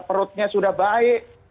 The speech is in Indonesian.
perutnya sudah baik